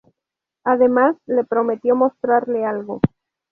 Además, le prometió mostrarle algo.